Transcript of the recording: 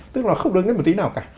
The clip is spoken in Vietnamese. tức là không đứng đến một tí nào cả